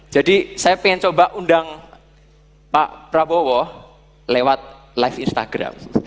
jadi saya pengen coba undang pak prabowo lewat live instagram